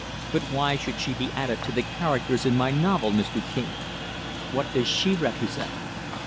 "But why should she be added to the characters in my novel, Mr. King? What does she represent?"